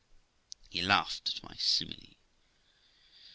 He laughed at my simile.